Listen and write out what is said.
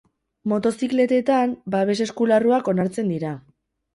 Motozikletetan, babes-eskularruak onartzen dira.